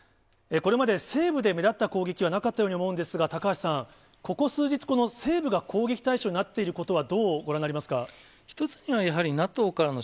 これまで西部で目立った攻撃はなかったように思うんですが、高橋さん、ここ数日、この西部が攻撃対象になっていることは、どうご覧になりますか。